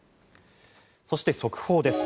そして、速報です。